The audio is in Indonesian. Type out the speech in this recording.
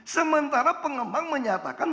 sementara pengembang menyatakan